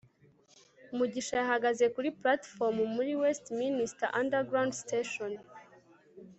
mugisha yahagaze kuri platifomu muri westminster underground station